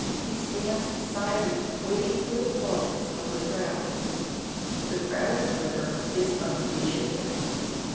He stands silent waiting for the plaudits of the crowd. The crowd, however, is unappreciative.